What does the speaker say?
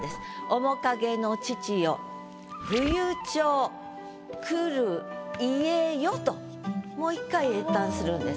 「面影の父よ冬蝶くる家よ」ともう一回詠嘆するんです。